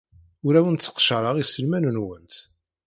Ur awent-sseqcareɣ iselman-nwent.